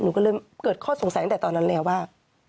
ก็เลยเกิดข้อสงสัยตั้งแต่ตอนนั้นแล้วว่า